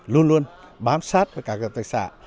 luôn luôn bám sát với các tổ hợp tác xã